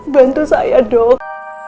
bantu saya dong